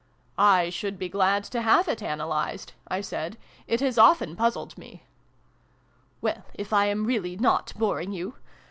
" I should be glad to have it analysed," I said : "it has often puzzled me." "Well, if I am really not boring you.